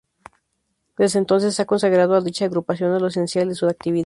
Desde entonces ha consagrado a dicha agrupación lo esencial de su actividad.